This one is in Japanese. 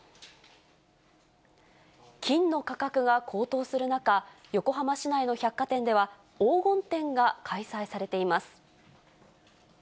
金の価格が高騰する中、横浜市内の百貨店では、黄金展が開催されています。